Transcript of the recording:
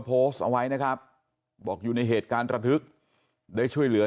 โพสต์เอาไว้นะครับบอกอยู่ในเหตุการณ์ระทึกได้ช่วยเหลือ